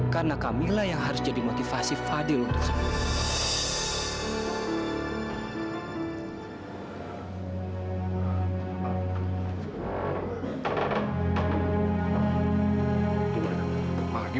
karena camilla yang harus jadi motivasi fadil untuk sembunyi